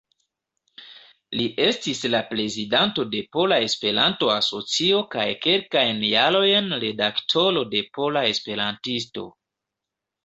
Li estis la prezidanto de Pola Esperanto-Asocio kaj kelkajn jarojn redaktoro de Pola Esperantisto.